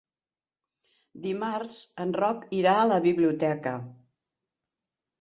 Dimarts en Roc irà a la biblioteca.